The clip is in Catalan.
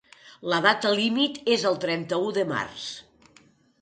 La data límit és el trenta-u de març.